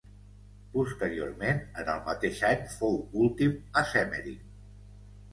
Posteriorment en el mateix any, fou últim a Semmering.